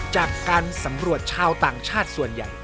จากการสำรวจชาวต่างชาติส่วนใหญ่